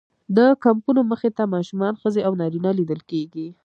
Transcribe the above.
د کمپونو مخې ته ماشومان، ښځې او نارینه لیدل کېږي.